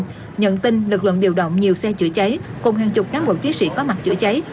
trong lúc hỏa hoạn nhận tin lực lượng điều động nhiều xe chữa cháy cùng hàng chục cán bộ chiến sĩ có mặt chữa cháy